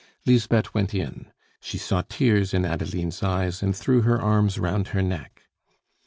Lisbeth went in. She saw tears in Adeline's eyes, and threw her arms round her neck.